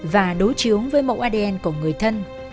và đối chiếu với mẫu adn của người thân